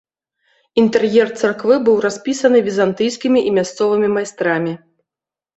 Інтэр'ер царквы быў распісаны візантыйскімі і мясцовымі майстрамі.